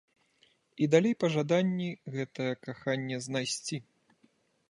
І далей пажаданні гэтае каханне знайсці.